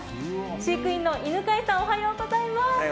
飼育員の犬飼さん、おはようございます。